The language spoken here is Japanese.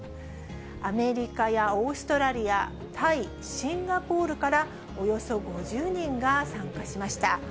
アメリカやオーストラリア、タイ、シンガポールからおよそ５０人が参加しました。